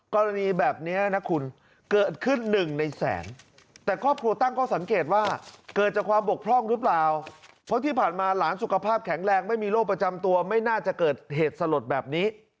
กรณีแบบนี้นะคุณเกิดขึ้น๑ในแสน